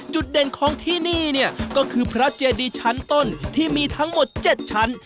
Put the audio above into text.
จุดเด่นของที่นี่เนี่ยก็คือพระเจดีชั้นต้นที่มีทั้งหมด๗ชั้น